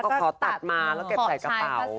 ใช่แล้วก็ตัดมาแล้วก็เก็บใส่กระเป๋า